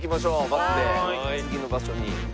バスで次の場所に。